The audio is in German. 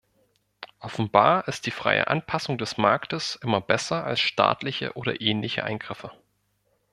Offenbar ist die freie Anpassung des Marktes immer besser als staatliche oder ähnliche Eingriffe.